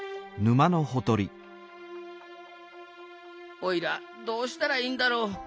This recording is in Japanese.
おいらどうしたらいいんだろう。